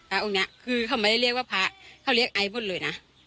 องค์นี้คือเขาไม่ได้เรียกว่าพระเขาเรียกไอ้หมดเลยนะ